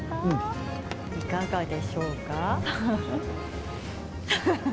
いかがでしょうか？